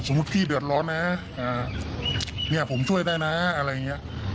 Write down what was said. พี่เดือดร้อนนะเนี่ยผมช่วยได้นะอะไรอย่างนี้